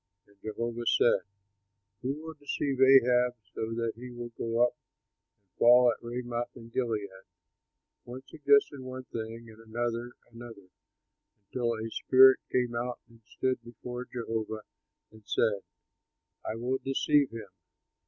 And Jehovah said, 'Who will deceive Ahab, so that he will go up and fall at Ramoth in Gilead?' One suggested one thing and another, another, until a spirit came out and stood before Jehovah and said, 'I will deceive him.'